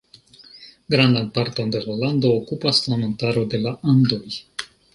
Grandan parton de la lando okupas la montaro de la Andoj.